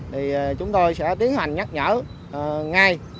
thì chúng tôi sẽ tiến hành nhắc nhở ngay